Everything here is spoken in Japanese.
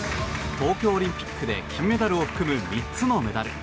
東京オリンピックで金メダルを含む３つのメダル。